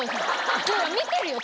見てるよ